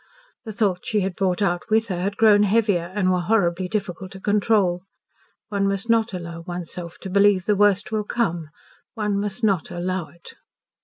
The thoughts she had brought out with her had grown heavier and were horribly difficult to control. One must not allow one's self to believe the worst will come one must not allow it.